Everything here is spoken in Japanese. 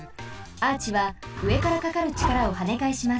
アーチは上からかかるちからをはねかえします。